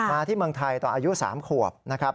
ที่เมืองไทยตอนอายุ๓ขวบนะครับ